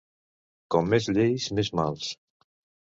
Com més lleis, més mals.